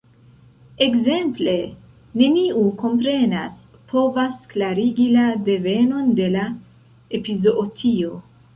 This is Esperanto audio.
Ekzemple: neniu komprenas, povas klarigi la devenon de la epizootio.